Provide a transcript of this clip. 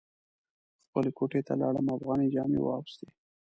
خپلې کوټې ته لاړم افغاني جامې مې واغوستې.